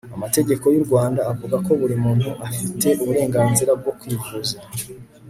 amategeko y'u rwanda avugako buri muntu afite uburenganzira bwo kwivuza